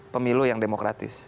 pemilu yang demokratis